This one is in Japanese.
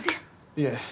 いえ。